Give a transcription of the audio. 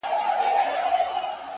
وخت د هر عمل نښه پرېږدي!